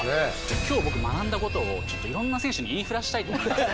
今日僕学んだことをちょっといろんな選手に言い触らしたいと思います。